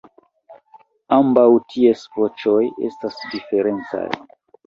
Ambaŭ ties voĉoj estas diferencaj.